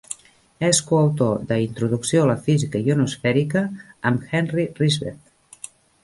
És coautor de "Introducció a la Física Ionosfèrica" amb Henry Rishbeth.